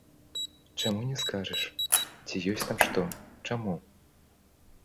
Чаму не скажаш, ці ёсць там што, чаму?